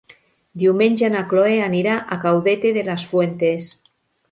Diumenge na Chloé anirà a Caudete de las Fuentes.